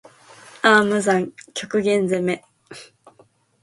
ああ無惨～極限責め～